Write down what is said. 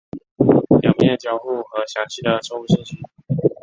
表面交互和详细的错误信息。